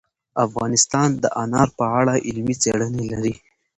افغانستان د انار په اړه علمي څېړنې لري.